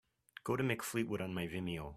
Go to Mick Fleetwood on my Vimeo